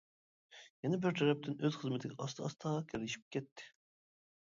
يەنە بىر تەرەپتىن ئۆز خىزمىتىگە ئاستا-ئاستا كېرىشىپ كەتتى.